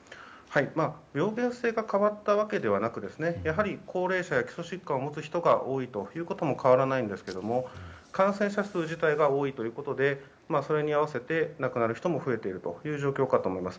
病原性が変わったわけではなくやはり高齢者や基礎疾患を持つ人が多いということも変わらないんですが感染者数自体が多いということでそれに併せて亡くなる人も増えているという状況かと思います。